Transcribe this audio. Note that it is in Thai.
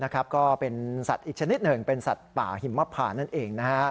ก็เป็นสัตว์อีกชนิดหนึ่งเป็นสัตว์ป่าหิมพานั่นเอง